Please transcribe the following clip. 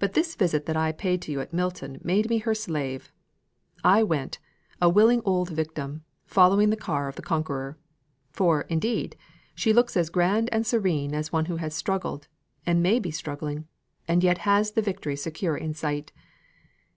But this visit that I paid to you at Milton made me her slave. I went, a willing old victim, following the car of the conqueror. For, indeed, she looks as grand and serene as one who has struggled, and may be struggling, and yet has the victory secure in sight.